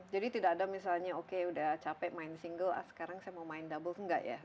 jadi tidak ada misalnya oke udah capek main single sekarang saya mau main doubles enggak ya